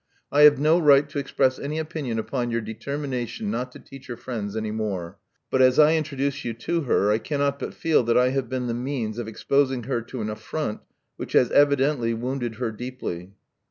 I have no right to express any opinion upon your determination 122 Love Among the Artists not to teach her friends any more ; but as I introduced you to her, I cannot but feel that I have been the m^ns of exposing her to an affront which has Evidently wounded her deeply.